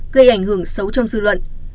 gây ảnh hưởng xấu trong dư luận